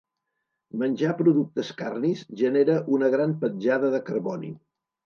Menjar productes carnis genera una gran petjada de carboni.